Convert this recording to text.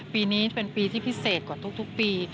ปีนี้เป็นปีที่พิเศษกว่าทุกปี